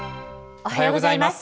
おはようございます。